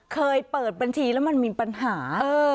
เคยเปิดบัญชีแล้วมันมีปัญหา